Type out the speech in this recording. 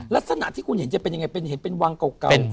ลักษณะที่คุณเห็นจะเป็นอย่างไรเป็นวังเก่า